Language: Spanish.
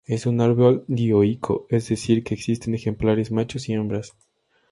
Es un árbol dioico, es decir, que existen ejemplares machos y hembras.